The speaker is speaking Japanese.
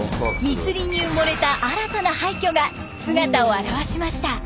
密林に埋もれた新たな廃虚が姿を現しました。